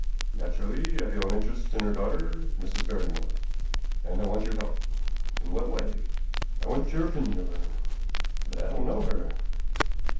Naturally, I feel an interest in her daughter, Mrs. Barrymore, and I want your help." "In what way?" "I want your opinion of her." "But I don't know her."